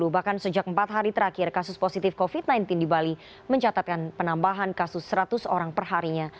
bahkan sejak empat hari terakhir kasus positif covid sembilan belas di bali mencatatkan penambahan kasus seratus orang perharinya